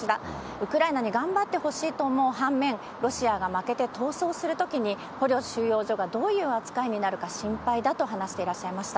ウクライナに頑張ってほしいと思う反面、ロシアが負けて逃走するときに、捕虜収容所がどういう扱いになるか心配だと話していらっしゃいました。